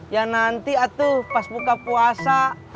ya nanti aduh pas buka puasa